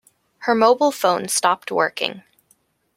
Her mobile phone stopped working.